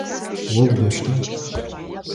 О удэщта?